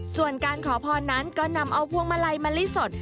ส่วนการขอพรนั้นก็นำเอาพวงมาลัยมะลิสด